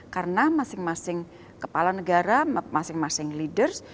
karena masing masing kepala negara masing masing leaders